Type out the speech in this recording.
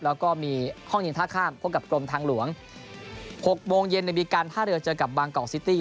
แล้วก็มีห้องเย็นท่าข้ามพบกับกรมทางหลวง๖โมงเย็นมีการท่าเรือเจอกับบางกอกซิตี้